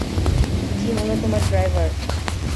জিন হল তোমার ড্রাইভার।